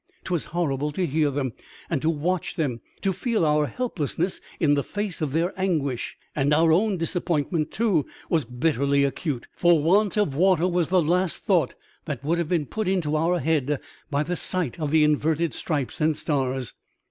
*Twas horrible to hear them and to watch them, to feel our helplessness in the face of their anguish; and our own disappointment, too, was bitterly acute, for want of water was the last thought that would have been put into our head by the sight of the inverted stripes and stars.